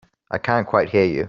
I can't quite hear you.